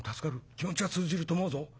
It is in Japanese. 気持ちは通じると思うぞ。